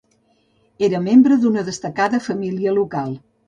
Era membre d'una destacada família local.